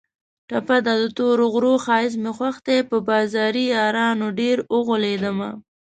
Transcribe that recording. ټپه ده: د تورو غرو ښایست مې خوښ دی په بازاري یارانو ډېر اوغولېدمه